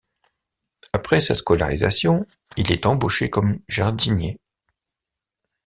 Après sa scolarisation, il est embauché comme jardinier.